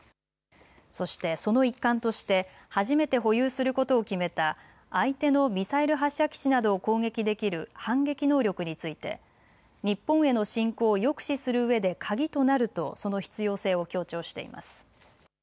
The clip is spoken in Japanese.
そして、その一環として初めて保有することを決めた相手のミサイル発射基地などを攻撃できる反撃能力について日本への侵攻を抑止するうえで鍵となるとその必要性を強調しています。